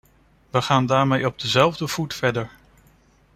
We gaan daarmee op dezelfde voet verder.